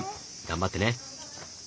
頑張ってね！